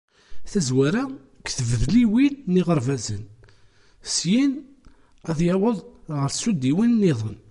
Tazwara, deg tdebliwin d yiɣerbazen, syin ad yaweḍ ɣer tsuddiwin-nniḍen.